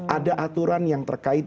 ada aturan yang terkait